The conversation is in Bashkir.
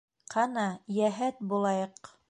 Ҡана, йәһәт булайыҡ!